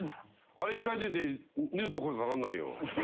あれ１回出て二度と声掛かんないよ。